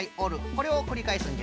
これをくりかえすんじゃよ。